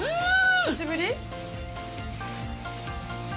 久しぶり？